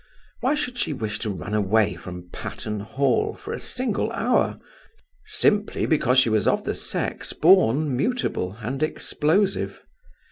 Why should she wish to run away from Patterne Hall for a single hour? Simply because she was of the sex born mutable and explosive.